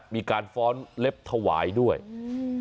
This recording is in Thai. มีการฟ้อนเล็บถวายด้วยอืม